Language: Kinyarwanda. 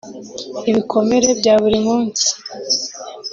ibikomere bya buri munsi